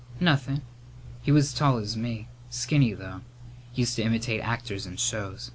"Nothin'. He was as tall as me. Skinny, though. Used to imitate actors in shows.